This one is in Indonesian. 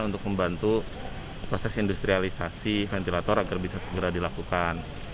untuk membantu proses industrialisasi ventilator agar bisa segera dilakukan